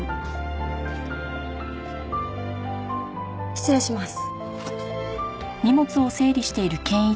失礼します。